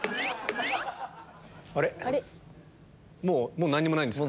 もう何もないんですか？